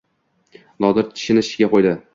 Nodir tishini-tishiga qo‘ydi.